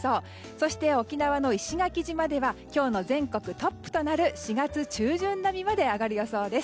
そして沖縄の石垣島では今日の全国トップとなる４月中旬並みまで上がる予報です。